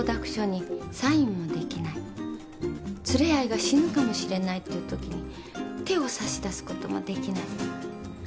連れ合いが死ぬかもしれないっていうときに手を差し出すこともできない。